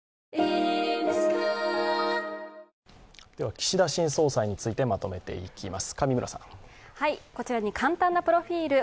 岸田新総裁についてまとめていきます。